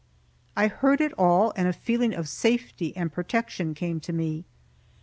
I heard it all, and a feeling of safety and protection came to me.